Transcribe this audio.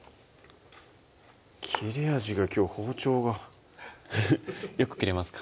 切れ味がきょう包丁がフフッよく切れますか？